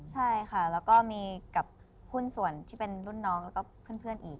ใช่ค่ะแล้วก็มีกับหุ้นส่วนที่เป็นรุ่นน้องแล้วก็เพื่อนอีก